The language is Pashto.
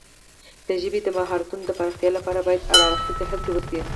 د ژبې د مهارتونو د پراختیا لپاره باید هر اړخیزه هڅې وشي.